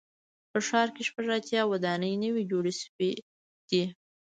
په ښار کې شپږ اتیا ودانۍ نوي جوړې شوې دي.